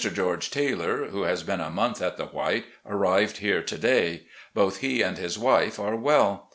George Taylor, who has been a month at the White, arrived here to day. Both he and his wife are well.